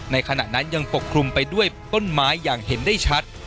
ขณะนั้นยังปกคลุมไปด้วยต้นไม้อย่างเห็นได้ชัด